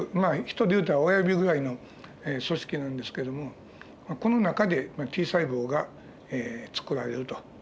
ヒトでいうたら親指ぐらいの組織なんですけどもこの中でＴ細胞がつくられると。